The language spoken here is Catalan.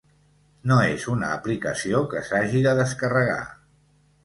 No és una aplicació que s'hagi de descarregar.